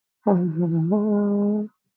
I'll be back when Jimenez Espriu is out.